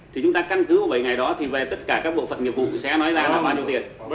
thì chúng ta căn cứ vào bảy ngày đó thì về tất cả các bộ phận nghiệp vụ sẽ nói ra nó bao nhiêu tiền